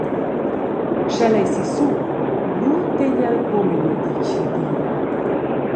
Sch’el ei sissu, lu tegn el buca memia ditg la dira.